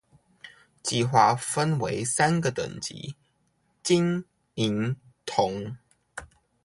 計畫分為三個等級：金、銀、銅